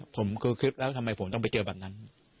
ผมคือคลิปแล้วทำไมผมต้องไปเจอแบบนั้น